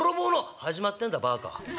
「始まってんだバカ。